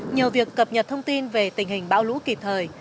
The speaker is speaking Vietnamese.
nhờ việc cập nhật thông tin về tình hình bão lũ kịp thời